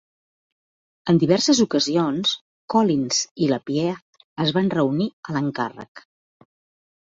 En diverses ocasions, Collins i Lapierre es van reunir a l'encàrrec.